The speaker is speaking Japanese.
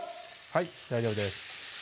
はい大丈夫です